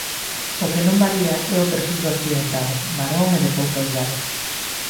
O que non varía é o perfil do accidentado, varón e de pouca idade.